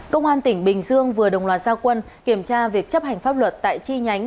công an tỉnh bình dương vừa đồng loạt gia quân kiểm tra việc chấp hành pháp luật tại chi nhánh